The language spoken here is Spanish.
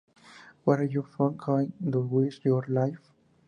What Are You Going to Do with Your Life?